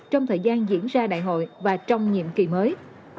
trong thời gian diễn ra đại hội và trong nhiệm kỳ mới